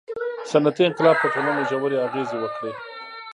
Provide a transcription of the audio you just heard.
• صنعتي انقلاب په ټولنو ژورې اغېزې وکړې.